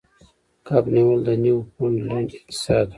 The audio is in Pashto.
کب نیول د نیوفونډلینډ اقتصاد و.